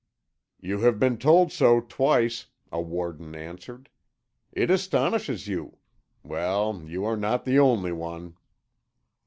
"You have been told so twice," a warder answered. "It astonishes you. Well, you are not the only one."